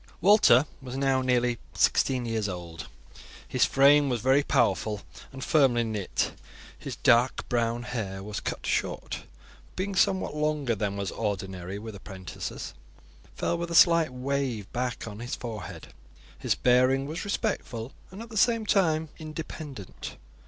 Walter was now nearly sixteen years old. His frame was very powerful and firmly knit. His dark brown hair was cut short, but, being somewhat longer than was ordinary with the apprentices, fell with a slight wave back on his forehead. His bearing was respectful, and at the same time independent.